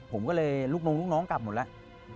ผมก็เลยลูกน้องลูกน้องกลับหมดแล้ว